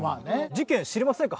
事件知りませんか？